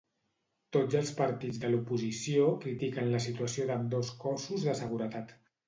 Tots els partits de l'oposició critiquen la situació d'ambdós cossos de seguretat.